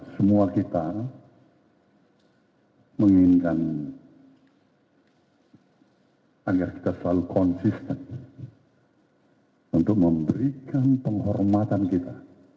semua kita menginginkan agar kita selalu konsisten untuk memberikan penghormatan kita